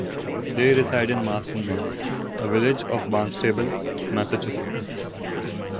They reside in Marstons Mills, a village of Barnstable, Massachusetts.